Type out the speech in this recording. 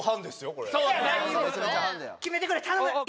これそうだな決めてくれ頼む！